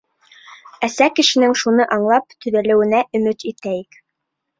Әсә кешенең шуны аңлап, төҙәлеүенә өмөт итәйек.